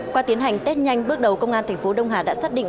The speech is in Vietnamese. qua tiến hành test nhanh bước đầu công an thành phố đông hà đã xác định